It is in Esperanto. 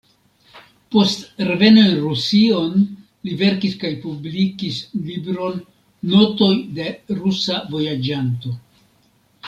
Post reveno en Rusion li verkis kaj publikis libron "“Notoj de rusa vojaĝanto”".